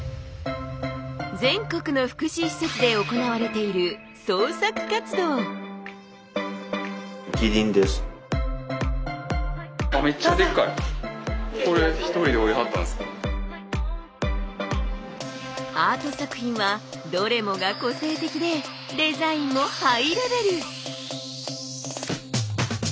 全国の福祉施設で行われているアート作品はどれもが個性的でデザインもハイレベル。